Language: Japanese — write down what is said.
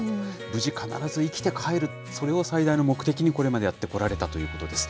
無事、必ず生きて帰る、それを最大の目的にこれまでやってこられたということです。